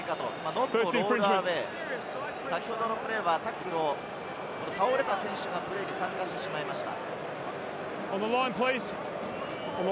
ノットロールアウェイ、先ほどのプレーはタックルで倒れた選手がプレーに参加してしまいました。